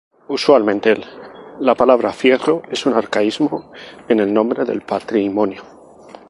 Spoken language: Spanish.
Usualmente, la palabra fierro es un arcaísmo en el nombre del patrimonio.